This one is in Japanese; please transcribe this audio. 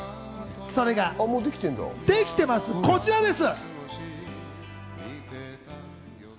それができてます、こちらです。